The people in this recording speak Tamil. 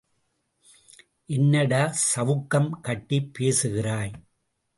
என்னடா சவுக்கம் கட்டிப் பேசுகிறாய்?